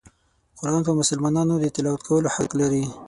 قرآن په مسلمانانو د تلاوت کولو حق لري.